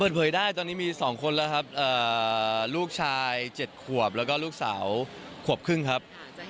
เปิดเผยได้ตอนนี้มี๒คนแล้วครับลูกชาย๗ขวบแล้วก็ลูกสาวขวบครึ่งครับ